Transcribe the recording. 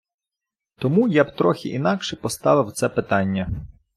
Тому я б трохи інакше поставив це питання.